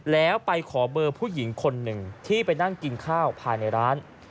แล้วไปขอเบอร์ผู้หญิงคนหนึ่งที่ไปนั่งกินข้าวภายในร้าน